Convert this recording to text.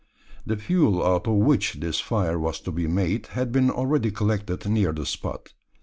The fuel out of which this fire was to be made had been already collected near the spot.